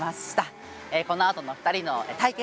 このあとの２人の対決